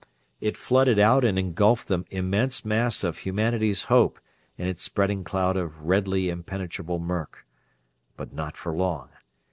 It flooded out and engulfed the immense mass of humanity's hope in its spreading cloud of redly impenetrable murk. But not for long.